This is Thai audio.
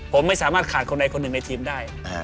ผมไม่สามารถขาดคนใดคนหนึ่งในทีมได้